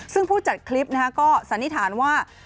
ซึ่งผู้จัดคลิปก็สันนิษฐานว่า